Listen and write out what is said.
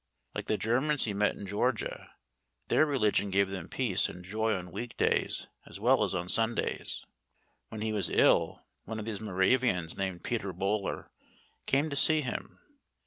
Like the Germans he met in Georgia, their religion gave them peace and joy on week days as well as on Sundays. When he was ill, one of these Moravians, named Peter Böhler, came to see him.